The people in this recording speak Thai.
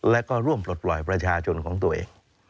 และก็ร่วมปลดปล่อยประชาชนของตัวเอง